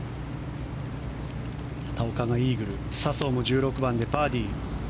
畑岡がイーグル笹生も１６番でバーディー。